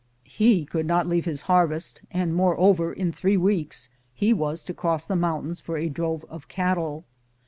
He could not leave his harvest, and moreover in three weeks he was to cross the mountains for a drove of cattle.